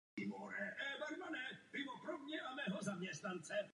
Je to pravý přítok Němenu.